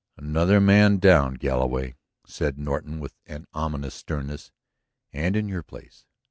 "Another man down, Galloway," said Norton with an ominous sternness. "And in your place.